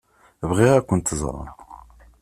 Bɣiɣ ad kent-ẓṛeɣ.